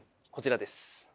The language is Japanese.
こちらです。